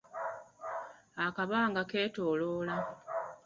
Akabanga keetooloola.